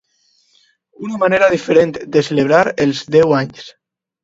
Una manera diferent de celebrar els deu anys.